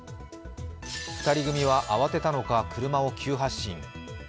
２人組は慌てたのか、車を急発進。